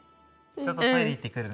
ちょっとトイレ行ってくるね。